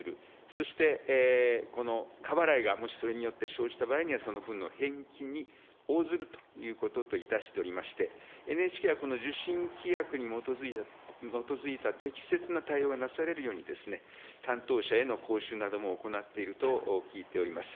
そして、この過払いがもしそれによって生じた場合には、その分の返金に応ずるということといたしておりまして、ＮＨＫはこの受信規約に基づいた適切な対応がなされるように、担当者への講習なども行っていると聞いております。